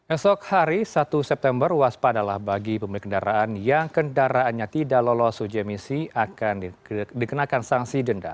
esok hari satu september waspadalah bagi pemilik kendaraan yang kendaraannya tidak lolos uji emisi akan dikenakan sanksi denda